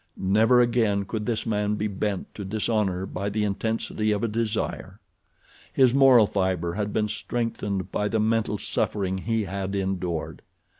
Never again could this man be bent to dishonor by the intensity of a desire. His moral fiber had been strengthened by the mental suffering he had endured.